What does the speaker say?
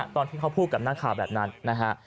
ตอนที่เขาพูดกับนักข่าวแบบนั้นนะฮะ